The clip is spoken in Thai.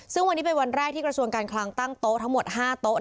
ซึ่งวันนี้เป็นวันแรกที่กระทรวงการคลังตั้งโต๊ะทั้งหมด๕โต๊ะ